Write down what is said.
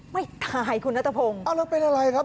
ไม่ตายคุณหน้าตะพงอ้าวแล้วเป็นอะไรครับ